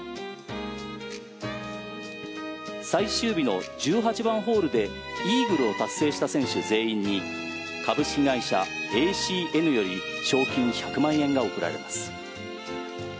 最終日の１８番ホールでイーグルを達成した選手全員に株式会社ＡＣＮより賞金１００万円が贈られます。